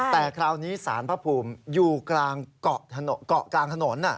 แต่คราวนี้สารพระภูมิอยู่กลางเกาะกลางถนน